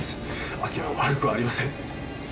アキは悪くありません。